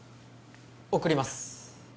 ・送ります